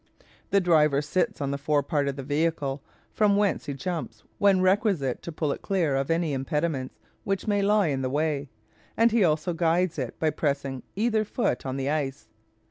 The driver sits on the fore part of the vehicle, from whence he jumps when requisite to pull it clear of any impediments which may lie in the way, and he also guides it by pressing either foot on the ice.